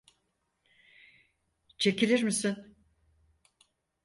Çekilir misin?